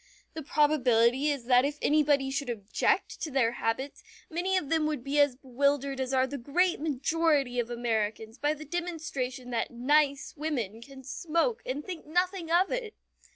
The probability is that if anybody should object to their habits, many of them would be as bewildered as are the great majority of Americans by the demonstration that "nice" women can smoke and think nothing of it!